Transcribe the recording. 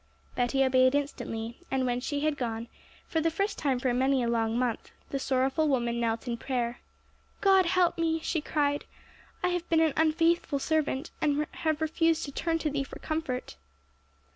Betty obeyed instantly, and when she had gone, for the first time for many a long month, the sorrowful woman knelt in prayer. 'God help me!' she cried; 'I have been an unfaithful servant, and have refused to turn to Thee for comfort.'